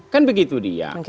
kan begitu dia